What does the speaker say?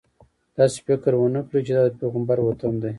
داسې فکر ونه کړې چې دا د پیغمبر وطن دی.